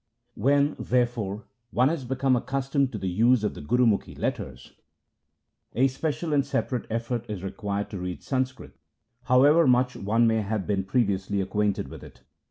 When, therefore, one has become SLOKS OF GURU ANGAD 57 accustomed to the use of the Gurumukhi letters, a special and separate effort is required to read Sanskrit, however much one may have been pre viously acquainted with it.